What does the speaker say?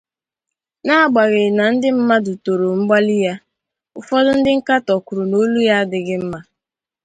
Na-agbanyeghi na ndi mmadụ toro mgbali ya, ufodu ndi nkatọ kwuru n'olu ya adighi mma.